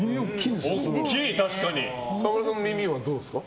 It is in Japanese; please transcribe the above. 沢村さんの耳はどうですか。